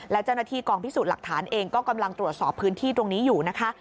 และเจ้าหน้าที่กองพิสูจน์หลักฐานเองก็กำลังตรวจสอบพื้นที่ตรงนี้อยู่นะคะ